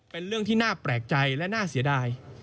เป็นเรื่องที่น่าแปลกใจและน่าเสียดาย